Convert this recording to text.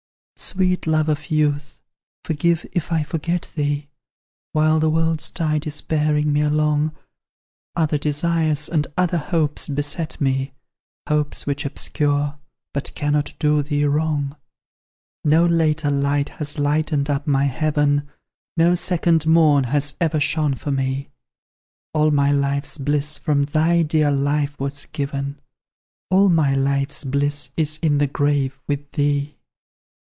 Sweet Love of youth, forgive, if I forget thee, While the world's tide is bearing me along; Other desires and other hopes beset me, Hopes which obscure, but cannot do thee wrong! No later light has lightened up my heaven, No second morn has ever shone for me; All my life's bliss from thy dear life was given, All my life's bliss is in the grave with thee.